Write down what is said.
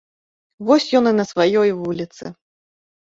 Вось ён і на сваёй вуліцы.